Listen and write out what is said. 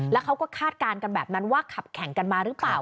แล้วเขาก็คาดการณ์กันแบบนั้นว่าขับแข่งกันมาหรือเปล่า